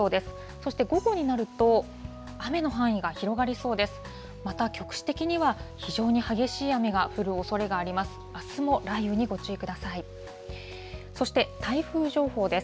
そして、午後になると、雨の範囲が広がりそうです。